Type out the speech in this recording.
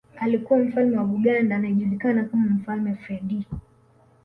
Alikuwa Mfalme wa Buganda anayejulikana kama Mfalme Freddie